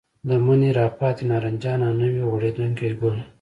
د مني راپاتې نارنجان او نوي غوړېدونکي ګل.